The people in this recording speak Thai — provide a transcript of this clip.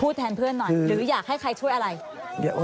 แทนเพื่อนหน่อยหรืออยากให้ใครช่วยอะไร